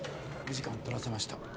お時間とらせました。